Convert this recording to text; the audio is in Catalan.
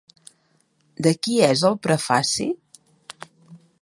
De qui és el prefaci?